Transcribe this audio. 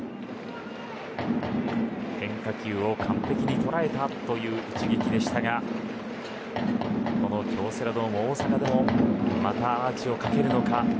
変化球を完璧に捉えたという一撃でしたがこの京セラドーム大阪でもまたアーチをかけるのか。